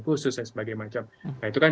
khusus dan sebagainya nah itu kan